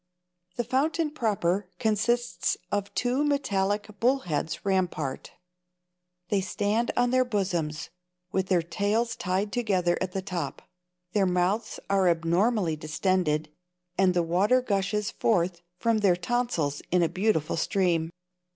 The fountain proper consists of two metallic bullheads rampart. They stand on their bosoms, with their tails tied together at the top. Their mouths are abnormally distended, and the water gushes forth from their tonsils in a beautiful stream.